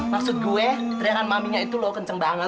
maksud gue terangan maminya itu loh kenceng banget